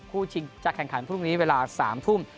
ชิงจะแข่งขันพรุ่งนี้เวลา๓ทุ่ม